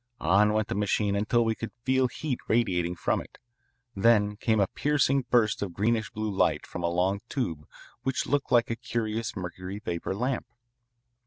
On went the machine until we could feel heat radiating from it. Then came a piercing burst of greenish blue light from a long tube which looked like a curious mercury vapour lamp.